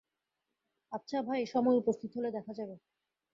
আচ্ছা ভাই, সময় উপস্থিত হলে দেখা যাবে।